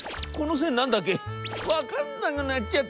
分かんなくなっちゃったよぉ。